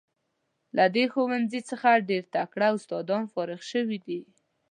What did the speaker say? له دې ښوونځي څخه ډیر تکړه استادان فارغ شوي دي.